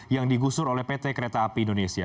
yang digusur oleh pt kereta api indonesia